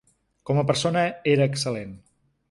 Com a persona era excel·lent.